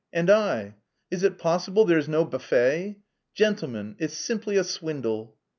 "And I." "Is it possible there's no buffet?..." "Gentlemen, it's simply a swindle...."